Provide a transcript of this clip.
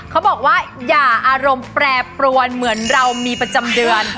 เขาบอกว่าอย่าอารมณ์แปรปรวนเหมือนเรามีประจำเดือน